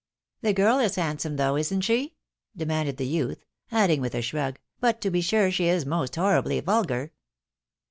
" The girl is handsome though, isn't she ?" demanded the youth ; adding, with a shrug, " but to be sure she is most horribly vulgar."